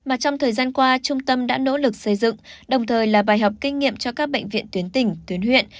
mà trong thời gian qua trung tâm đã nỗ lực xây dựng đồng thời là bài học kinh nghiệm cho các bệnh viện tuyến tỉnh tuyến huyện